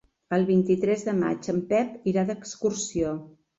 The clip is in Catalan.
El vint-i-tres de maig en Pep irà d'excursió.